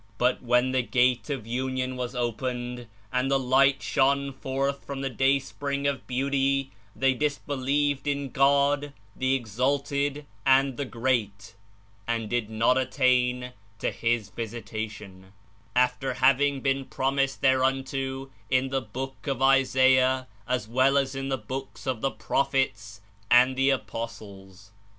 But when the Gate of Union was opened and the Light shone forth from the Day spring of Beauty, they disbelieved in God, the Exalted and the Great, and did not attain to His Visitation — after having been promised there unto in the Book of Isaiah as well as in the Books of the Prophets and the Apostles.